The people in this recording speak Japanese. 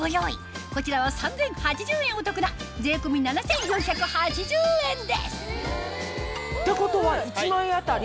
こちらは３０８０円お得な税込み７４８０円ですってことは１枚あたり？